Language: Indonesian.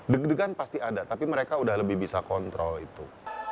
deg degan pasti ada tapi mereka sudah lebih bisa kontrol itu